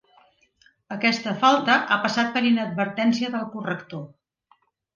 Aquesta falta ha passat per inadvertència del corrector.